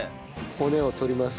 骨を取ります。